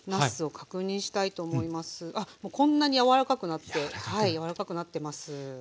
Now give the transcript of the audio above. あっもうこんなに柔らかくなってはい柔らかくなってます。